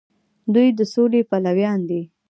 دوی د سولې پلویان دي.